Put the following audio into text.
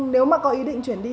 nếu mà có ý định chuyển đi